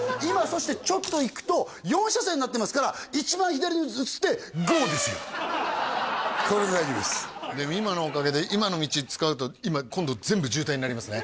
そしてちょっと行くと４車線になってますからこれで大丈夫ですでも今のおかげで今の道使うと今度全部渋滞になりますね